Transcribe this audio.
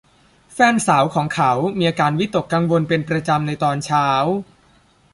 แฟนสาวของเขามีอาการวิตกกังวลเป็นประจำในตอนเช้า